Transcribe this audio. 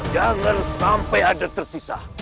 jangan sampai ada tersisa